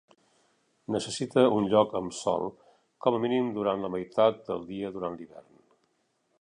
Necessita un lloc amb Sol com a mínim durant la meitat del dia durant l'hivern.